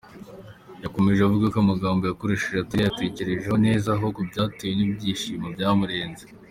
Yakomeje avuga ko amagambo yakoresheje atari yayatekerejeho neza ahubwo byatewe n’ibyishimo byamurenze.